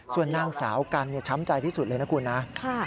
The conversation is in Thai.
ส่วนนางสาวกันช้ำใจที่สุดเลยนะคุณนะ